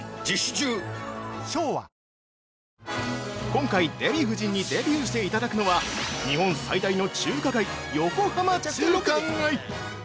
◆今回デヴィ夫人にデビューしていただくのは、日本最大の中華街「横浜中華街」！